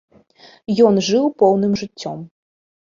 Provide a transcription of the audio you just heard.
Ён жыў поўным жыццём.